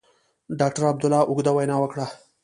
ډاکټر عبدالله اوږده وینا وکړه.